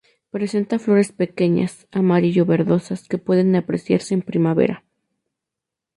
Presenta flores pequeñas, amarillo verdosas, que pueden apreciarse en primavera.